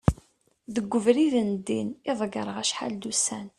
deg ubrid n ddin i ḍegreɣ acḥal d ussan